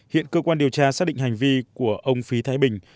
hiện cơ quan điều tra xác định hành vi của ông phí thái bình